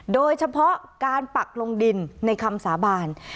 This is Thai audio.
โดยเฉพาะการปักลงดินในคำสาบาน